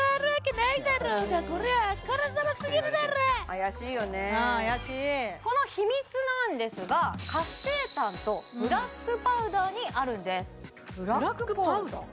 怪しいよねうん怪しいこの秘密なんですが活性炭とブラックパウダーにあるんですブラックパウダー？